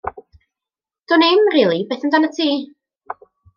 Dwnim, rili, beth amdanat ti?